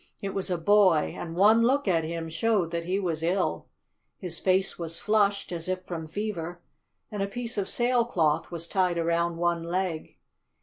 It was a boy, and one look at him showed that he was ill. His face was flushed, as if from fever, and a piece of sail cloth was tied around one leg.